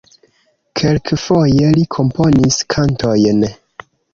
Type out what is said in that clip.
Kelkfoje li komponis kantojn.